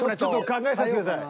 考えさせてください。